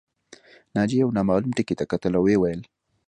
ناجیې یو نامعلوم ټکي ته کتل او ویې ویل